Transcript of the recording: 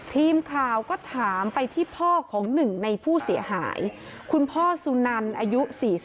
ทีมข่าวก็ถามไปที่พ่อของหนึ่งในผู้เสียหายคุณพ่อสุนันอายุ๔๒